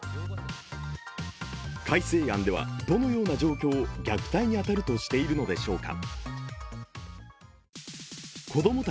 改正案ではどのような状況を虐待に当たるとしているのでしょうか。